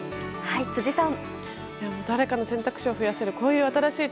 辻さん。